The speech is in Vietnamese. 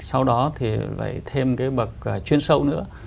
sau đó thì lại thêm cái bậc chuyên sâu nữa